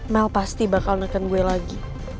mel pasti bakal neken gue lagi